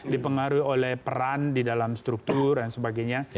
dipengaruhi oleh peran di dalam struktur dan sebagainya